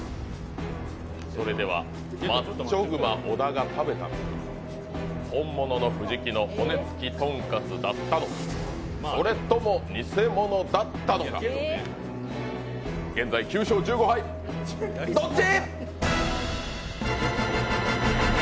それでは、マッチョ熊・小田が食べたのは本物の富士きの骨付とんかつだったのかそれとも偽物だったのか、現在９勝１５敗、どっち！？